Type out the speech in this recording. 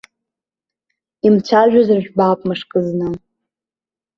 Имцәажәозар жәбап мышкызны.